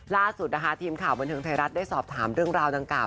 ล่าสุดนะคะทีมข่าวบันเทิงไทยรัฐได้สอบถามเรื่องราวดังกล่า